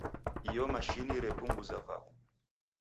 Io ni mashini repunguza vaghu.